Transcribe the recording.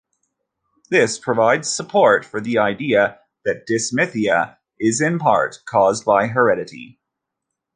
This provides support for the idea that dysthymia is in part caused by heredity.